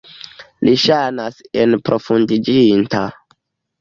Li ŝajnas enprofundiĝinta.